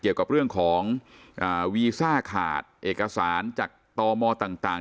เกี่ยวกับเรื่องของวีซ่าขาดเอกสารจากตมต่าง